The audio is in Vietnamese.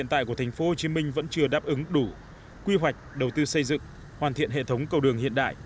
tại của tp hcm vẫn chưa đáp ứng đủ quy hoạch đầu tư xây dựng hoàn thiện hệ thống cầu đường hiện đại